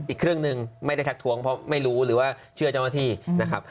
อีกเครื่องหนึ่งไม่ได้ทักทวงเพราะไม่รู้หรือว่าเชื่อเจ้าหน้าที่นะครับ